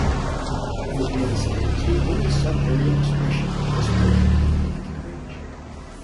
Kolbeinsey is the only subaerial expression of this portion of the Mid-Atlantic Ridge.